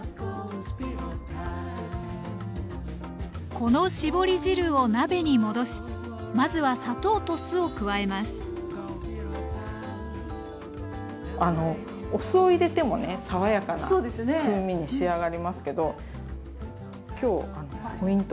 この絞り汁を鍋に戻しまずは砂糖と酢を加えますお酢を入れてもね爽やかな風味に仕上がりますけど今日ポイントが。